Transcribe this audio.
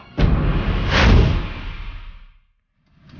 yang di taman waktu itu